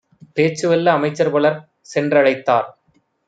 பேச்சுவல்ல அமைச்சர்பலர் சென்ற ழைத்தார்.